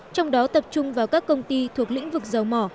trong đó tập trung vào các công ty thuộc lĩnh vực dầu mỏ